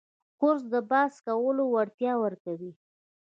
کورس د بحث کولو وړتیا ورکوي.